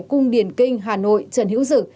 cung điển kinh hà nội trần hữu dự